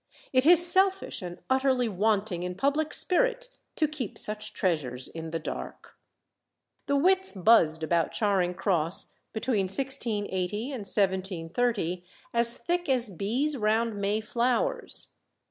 It is selfish and utterly wanting in public spirit to keep such treasures in the dark. The wits buzzed about Charing Cross between 1680 and 1730 as thick as bees round May flowers.